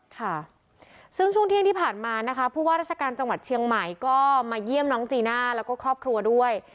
ค่ะซึ่งช่วงเที่ยงที่ผ่านมานะคะผู้ว่าราชการจังหวัดเชียงใหม่ก็มาเยี่ยมน้องจีน่าแล้วก็ครอบครัวด้วย